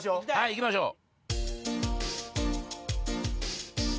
いきましょう！